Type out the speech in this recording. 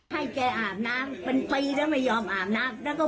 ให้แกอาบน้ำเป็นปีแล้วไม่ยอมอาบน้ำ